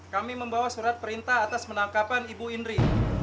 kami membawa surat perintah atas penangkapan ibu indri